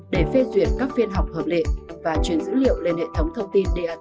để phê duyệt các phiên học hợp lệ và chuyển dữ liệu lên hệ thống thông tin dht của cục đường bộ